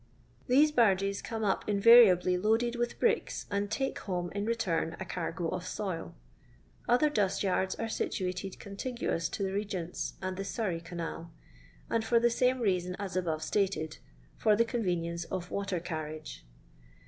These barges come up invariably loaded with bricks, and take home in return a caigo of soiL Other dust yards are situated contiguous to the Begent's and the Surrey canal; and for the same reason as above stated — for the convenience of water carriage.